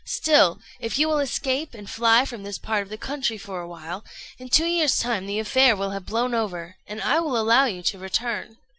Still, if you will escape and fly from this part of the country for a while, in two years' time the affair will have blown over, and I will allow you to return."